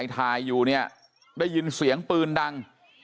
ถ่ายอยู่เนี่ยได้ยินเสียงปืนดัง